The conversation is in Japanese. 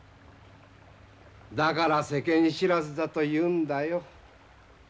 だから世間知らずだと言うんだよ。